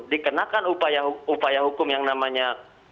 dikenakan upaya hukum yang namanya